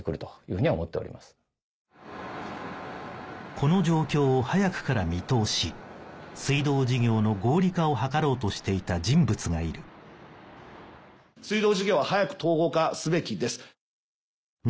この状況を早くから見通し水道事業の合理化を図ろうとしていた人物がいる水道事業は早く統合化すべきです。